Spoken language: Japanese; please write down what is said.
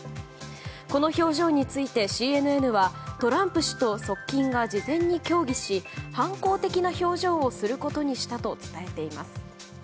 この表情について、ＣＮＮはトランプ氏と側近が事前に協議し反抗的な表情をすることにしたと伝えています。